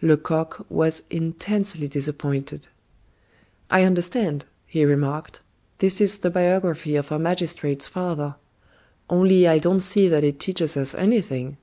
Lecoq was intensely disappointed. "I understand," he remarked. "This is the biography of our magistrate's father. Only I don't see that it teaches us anything."